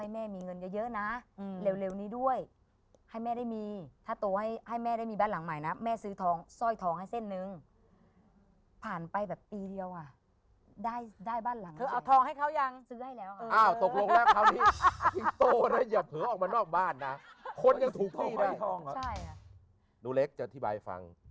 นนูเล็กจะสาธิบายให้ฟัง